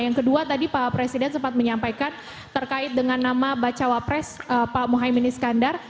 yang kedua tadi pak presiden sempat menyampaikan terkait dengan nama bacawa pres pak muhaymin iskandar